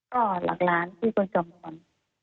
ก็หลักล้านที่ตัวจอมขวัญ